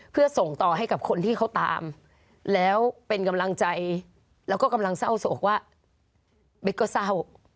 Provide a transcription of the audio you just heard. เพื่อส่งต่อให้กับคนที่เขาตามแล้วเป็นกำลังใจแล้วก็กำลังเศร้าโศกว่าเบ็กก็เศร้า